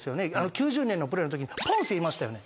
９０年のプレーのときポンセいましたよね？